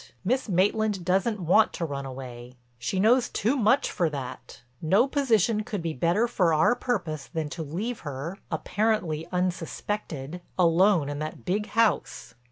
Miss Maitland doesn't want to run away. She knows too much for that. No position could be better for our purpose than to leave her—apparently unsuspected—alone in that big house.